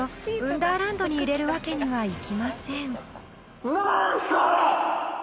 ダーランドに入れるわけにはいきません］